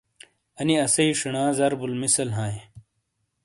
انی اسئیی شنا ضرب المثل ہائیں۔